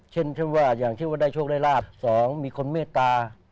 เช่นว่าอย่างที่ว่าได้โชคได้ลาบ๒มีคนเมตตา